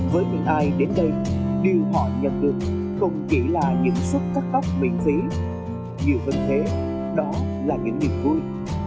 với những ai đến đây điều họ nhận được không chỉ là những xuất cắt tóc miễn phí nhiều hơn thế đó là những niềm vui